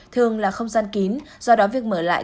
thường là không gian kín do đó việc mở lại